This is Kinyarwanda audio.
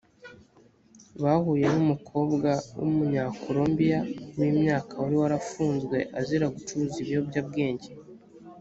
bahuye n umukobwa w umunyakolombiya w imyaka wari warafunzwe azira gucuruza ibiyobyabwenge